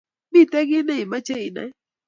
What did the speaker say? Mito kiy ne imache inai